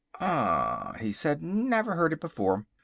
"Ah," he said, "never heard it before.